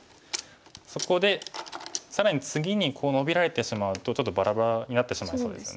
そこで更に次にこうノビられてしまうとちょっとバラバラになってしまいそうですよね。